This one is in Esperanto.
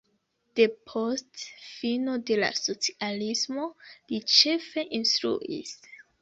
Depost fino de la socialismo li ĉefe instruis.